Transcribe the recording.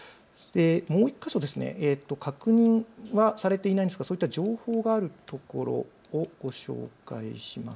もう１か所、確認はされていないんですが情報があるところをご紹介します。